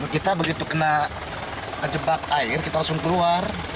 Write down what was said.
kita begitu kena jebak air kita langsung keluar